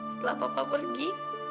setelah papa pergi